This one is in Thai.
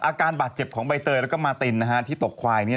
อาการบาดเจ็บของใบเตยแล้วก็มาตินที่ตกควาย